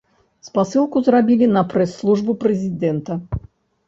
Спасылку зрабілі на прэс-службу прэзідэнта.